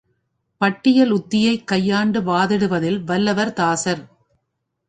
பட்டியல் உத்தியைக் கையாண்டு வாதிடுவதில் வல்லவர் தாசர்.